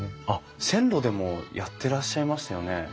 あっ線路でもやってらっしゃいましたよね。